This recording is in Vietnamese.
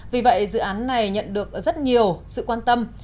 vì vậy dự án này nhận được rất nhiều sự quan tâm